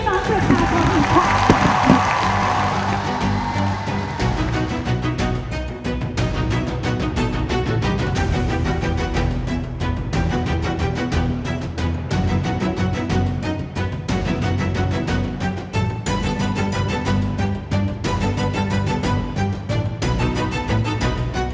ได้กลับมาดูแลที่รักประชาชนค่ะ